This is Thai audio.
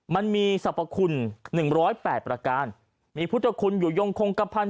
มันมีสรรพคุณหนึ่งร้อยแปดประการมีพุทธคุณอยู่ยงคงกระพันธ์